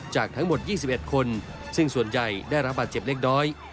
จากทั้งหมด๒๑คนซึ่งส่วนใหญ่ได้รับบาดเจ็บเล็กน้อย